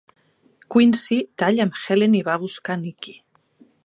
Quincy talla amb Helen i va a buscar Nicky.